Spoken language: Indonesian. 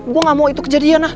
gue gak mau itu kejadian ah